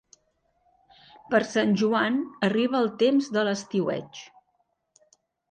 Per Sant Joan arriba el temps de l'estiueig.